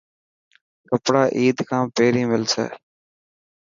ڪپڙا عيد کان پهرين ملسي؟